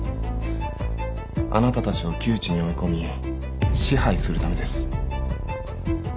あなたたちを窮地に追い込み支配するためです。